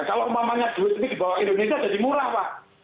kalau umpamanya duit ini dibawa indonesia jadi murah pak